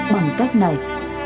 bằng cách này